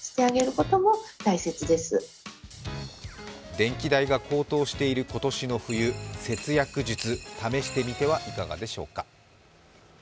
電気代が高騰している今年の冬、節約術試してみてはいかがでしょうか。